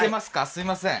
すいません